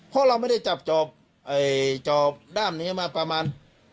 เพราะเราไม่ได้จับจอบด้ามนี้มาประมาณ